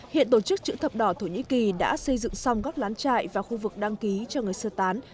hiện tổ chức chữ thập đỏ thổ nhĩ kỳ đã xây dựng xong các lán trại và khu vực đăng ký cho người sơ tán